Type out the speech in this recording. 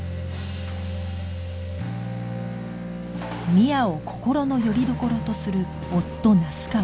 深愛を心のよりどころとする夫那須川